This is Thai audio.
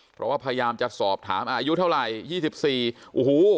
เพราะว่าพยายามจะสอบถามอายุเท่าไหร่๒๔โอ้โห